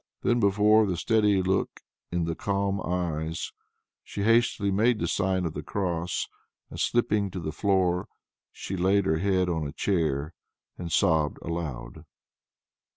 Then before the steady look in the calm eyes, she hastily made the sign of the cross, and slipping to the floor, she laid her head on a chair, and sobbed aloud.